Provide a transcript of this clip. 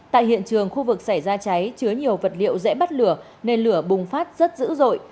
tại hiện trường khu vực xảy ra cháy chứa nhiều vật liệu dễ bắt lửa nên lửa bùng phát rất dữ dội